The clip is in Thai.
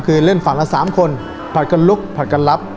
คือเล่นฝั่งละ๓คนผลัดกันลุกผลัดกันรับ